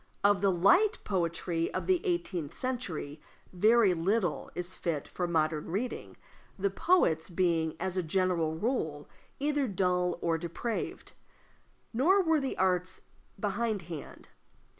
Of the light poetry of the eighteenth century very little is fit for modern reading, the poets being, as a general rule, either dull or depraved. Nor were the arts behindhand.